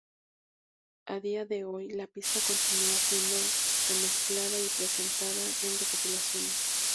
A día de hoy, la pista continúa siendo remezclada y presentada en recopilaciones.